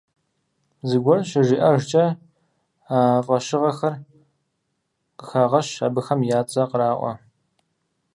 Зыгуэр щыжиӀэжкӀэ, а фӀэщыгъэхэр къыхагъэщ, абыхэм я цӀэ къраӀуэ.